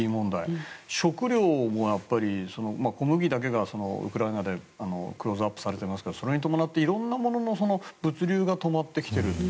食料も小麦だけがウクライナでクローズアップされていますがそれに伴っていろんなものの物流が止まってきている。